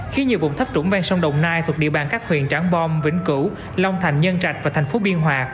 khi nhiều vùng thất trũng ven sông đồng nai thuộc địa bàn các huyền tráng bom vĩnh cửu long thành nhân trạch và thành phố biên hòa